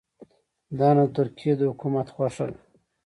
دا نو د ترکیې د حکومت خوښه ده.